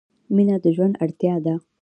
• مینه د ژوند اړتیا ده.